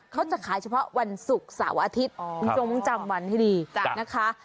เขาจะขายเฉพาะวันศุกร์เสาร์อาทิตย์คุณผู้ชมต้องจำวันให้ดีนะคะ